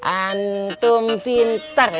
antum fintar ya